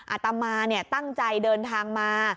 อาตมาตั้งใจเดินทางมา